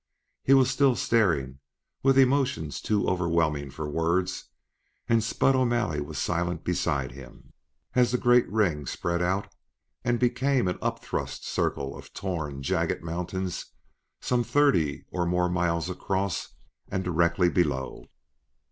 He was still staring, with emotions too overwhelming for words, and Spud O'Malley was silent beside him, as the great ring spread out and became an up thrust circle of torn, jagged mountains some thirty or more miles across and directly below.